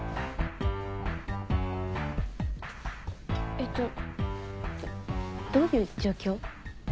えっとどういう状況？